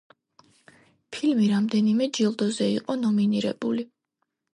ფილმი რამდენიმე ჯილდოზე იყო ნომინირებული.